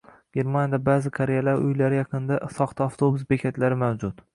Germaniyada ba’zi qariyalar uylari yaqinida soxta avtobus bekatlari mavjud.